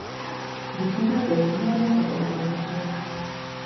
Gizona bere onean ez zegoela ematen zuen.